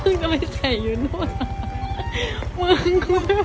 กูไม่รู้มึงจะไปใส่อยู่นู้นหรอ